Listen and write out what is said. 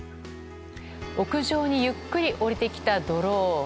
屋上にゆっくり下りてきたドローン。